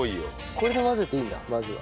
これで混ぜていいんだまずは。